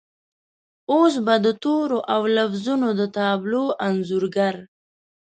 اوس به د تورو او لفظونو د تابلو انځورګر